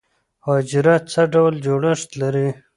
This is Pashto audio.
حجره څه ډول جوړښت لري؟